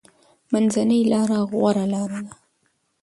منځنۍ لاره غوره لاره ده.